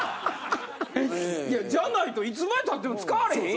じゃないといつまでたっても使われへんやん。